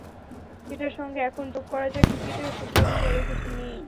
সেটার সঙ্গে এখন যোগ করা যায়—ক্রিকেটেও শেষ কথা বলে কিছু নেই।